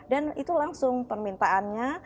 dan itu langsung permintaannya